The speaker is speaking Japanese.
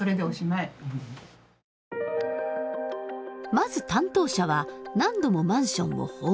まず担当者は何度もマンションを訪問。